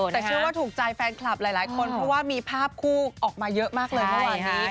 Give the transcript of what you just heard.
แต่เชื่อว่าถูกใจแฟนคลับหลายคนเพราะว่ามีภาพคู่ออกมาเยอะมากเลยเมื่อวานนี้